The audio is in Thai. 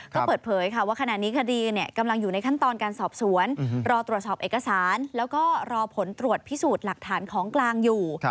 ก็เปิดเผยค่ะว่าขณะนี้คดีกำลังอยู่ในขั้นตอนการสอบสวนรอตรวจสอบเอกสารแล้วก็รอผลตรวจพิสูจน์หลักฐานของกลางอยู่